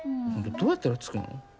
どうやったらつくの？